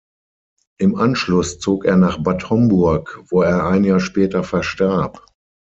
Im Anschluss zog er nach Bad Homburg, wo er ein Jahr später verstarb.